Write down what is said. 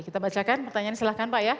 kita bacakan pertanyaan silahkan pak ya